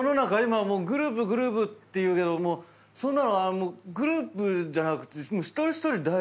今グループグループっていうけどそんなのはグループじゃなくて一人一人大事なんだよね」